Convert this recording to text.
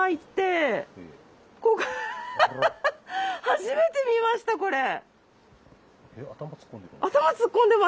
初めて見ましたこれ！